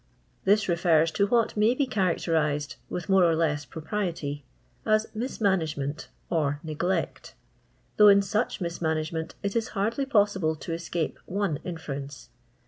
This refers to what may be characterised, with more or less propriety, as mismanaffemeni or neg lect,• though in such mismanagement it is hardly possible to escape one inference.